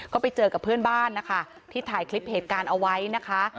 ก็ไปเจอกับเพื่อนบ้านนะคะที่ถ่ายคลิปเหตุการณ์เอาไว้นะคะ